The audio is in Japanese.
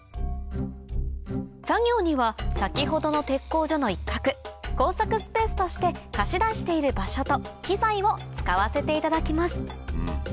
作業には先ほどの鉄工所の一角工作スペースとして貸し出している場所と機材を使わせていただきます